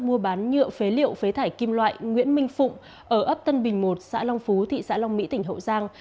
mua bán nhựa phế liệu phế thải kim loại nguyễn minh phụng ở ấp tân bình một xã long phú thị xã long mỹ tỉnh hậu giang